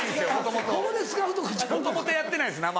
もともとやってないです。